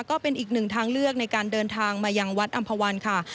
ก็เป็นอีกหนึ่งทางเลือกในการเดินทางมายังวัดอำภาวันค่ะ